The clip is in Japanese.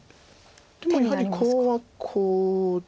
でもやはりコウはコウですか。